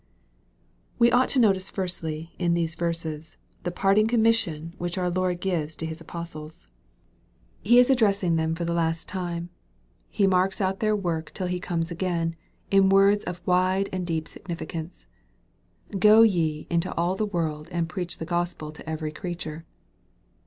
863 WE ought to notice, firstly, in these verses, the parting commission which our Lord gives to His apostles. He is addressing them for the last time. He marks out their work till He comes again, in words of wide and deep significance, " Go ye into all the world, and preach the gospel to every creature."